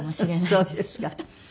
そうですか。